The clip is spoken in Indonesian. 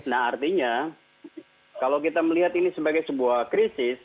nah artinya kalau kita melihat ini sebagai sebuah krisis